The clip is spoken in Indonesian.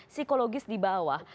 psikologis di bawah